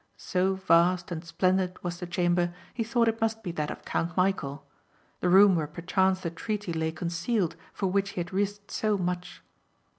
So vast and splendid was the chamber he thought it must be that of Count Michæl, the room where perchance the treaty lay concealed for which he had risked so much.